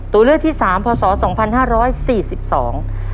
ตัวเลือกที่สามพศสองพันห้าร้อยสี่สิบสอง